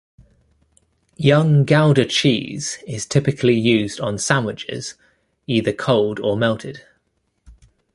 Young Gouda cheese is typically used on sandwiches, either cold or melted.